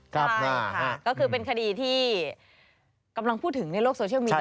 ใช่ค่ะก็คือเป็นคดีที่กำลังพูดถึงในโลกโซเชียลมีเดีย